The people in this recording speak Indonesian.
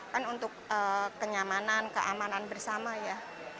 kan untuk kenyamanan keamanan bersama ya